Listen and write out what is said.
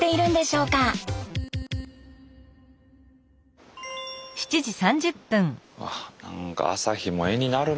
うわ何か朝日も絵になるな。